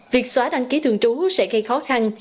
việc xóa đăng ký thường trú sẽ gây khó khăn